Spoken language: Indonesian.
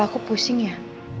kok kepala aku pusing ya